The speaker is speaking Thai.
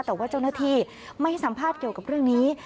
แต่ว่าเจ้าหน้าที่ไม่ให้สัมภาษณ์เกี่ยวกับเรื่องนี้